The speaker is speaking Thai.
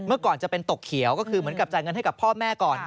ก่อนจะเป็นตกเขียวก็คือเหมือนกับจ่ายเงินให้กับพ่อแม่ก่อน